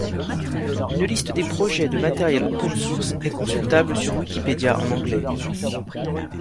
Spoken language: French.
Une liste des projets de matériels open source est consultable sur wikipédia en anglais.